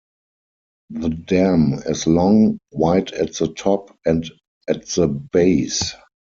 The dam is long, wide at the top and at the base.